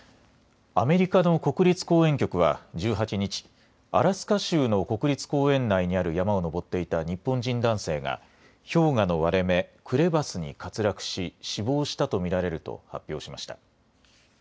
アメリカの国立公園局は１８日、アラスカ州の国立公園内にある山を登っていた日本人男性が、氷河の割れ目、クレバスに滑落し、死亡したと見られると発表しました。